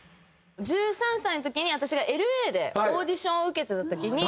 １３歳の時に私がＬ．Ａ．でオーディションを受けてた時に。